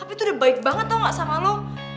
tapi itu udah baik banget tau gak sama lo